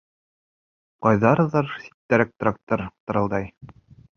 Ҡайҙалыр ситтәрәк трактор тырылдай.